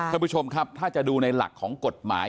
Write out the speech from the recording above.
ท่านผู้ชมครับถ้าจะดูในหลักของกฎหมาย